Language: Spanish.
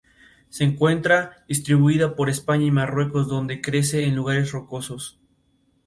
Se encuentra distribuida por España y Marruecos, donde crece en lugares rocosos.